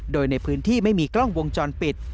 โดยในพื้นที่ไม่มีกล้องวงจรปิด